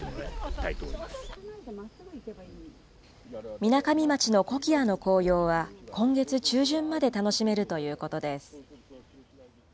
水上町のコキアの紅葉は今月中旬まで楽しめるということです。